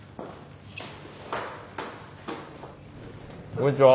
こんにちは。